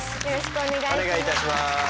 お願いいたします。